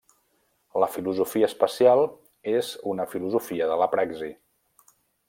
La filosofia especial és una filosofia de la praxi.